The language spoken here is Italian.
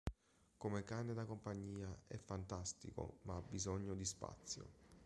Come cane da compagnia è fantastico ma ha bisogno di spazio.